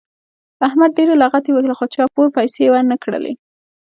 احمد ډېرې لغتې ووهلې خو چا پور پیسې ور نه کړلې.